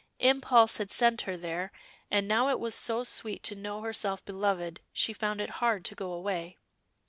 Impulse had sent her there, and now it was so sweet to know herself beloved, she found it hard to go away.